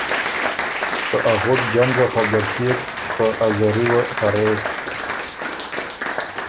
که ا غُټ جنګه خه ګټيېک خه ا زری وه هرېک۔